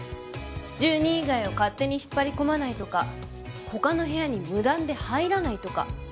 住人以外を勝手に引っ張り込まないとか他の部屋に無断で入らないとか。